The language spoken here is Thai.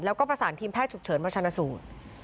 แล้วก็ประสานทีมแพทย์ฉุกเฉินมาชนะสูตร